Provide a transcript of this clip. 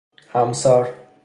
همسر